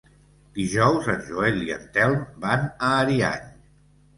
Dijous en Joel i en Telm van a Ariany.